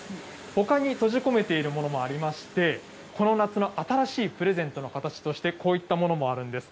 ほかに閉じ込めているものもありまして、この夏の新しいプレゼントの形として、こういったものもあるんです。